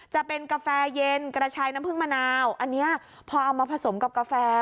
จะเป็นกาแฟเย็นกระชายน้ำผึ้งมะนาวอันนี้พอเอามาผสมกับกาแฟ